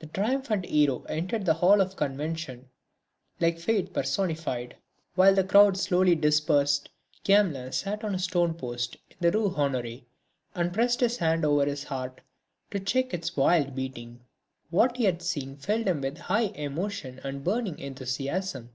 The triumphant hero entered the Hall of the Convention like Fate personified. While the crowd slowly dispersed Gamelin sat on a stone post in the Rue Honoré and pressed his hand over his heart to check its wild beating. What he had seen filled him with high emotion and burning enthusiasm.